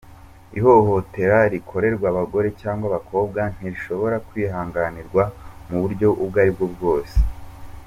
Ihohotera rikorerwa abagore cyangwa abakobwa ntirishobora kwihanganirwa mu buryo ubwo ari bwo bwose.